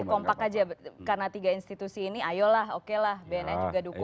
kompak aja karena tiga institusi ini ayolah oke lah bnn juga dukung